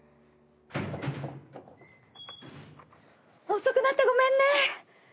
・・遅くなってごめんね。